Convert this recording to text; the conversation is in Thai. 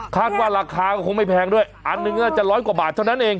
คาดว่าราคาก็คงไม่แพงด้วยอันหนึ่งน่าจะร้อยกว่าบาทเท่านั้นเอง